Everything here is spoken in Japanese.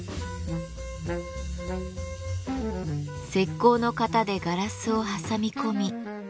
石膏の型でガラスを挟み込み。